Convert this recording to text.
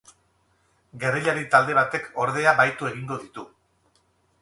Gerrillari talde batek, ordea, bahitu egingo ditu.